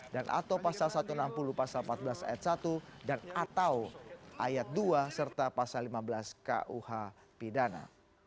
dan atau pasal satu ratus enam puluh pasal empat belas ayat satu dan atau ayat dua serta pasal lima belas kuh pidana